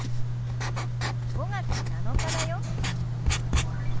５月７日だよ。